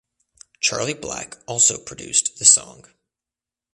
Charlie Black also produced the song.